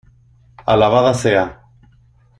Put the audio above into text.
Alabada sea.